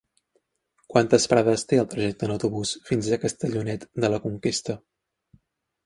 Quantes parades té el trajecte en autobús fins a Castellonet de la Conquesta?